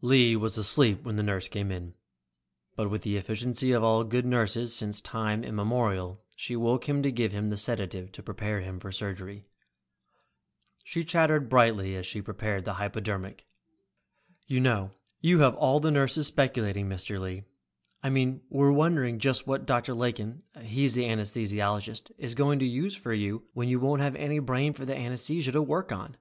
Lee was asleep when the nurse came, but with the efficiency of all good nurses since time immemorial, she woke him to give him the sedative to prepare him for surgery. She chattered brightly as she prepared the hypodermic. "You know, you have all the nurses speculating, Mr. Lee. I mean we're wondering just what Dr. Lakin, he's the anesthesiologist, is going to use for you when you won't have any brain for the anesthesia to work on."